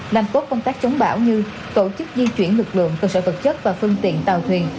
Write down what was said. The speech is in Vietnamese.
làm tốt công tác chống bão như tổ chức di chuyển lực lượng cơ sở vật chất và phương tiện tàu thuyền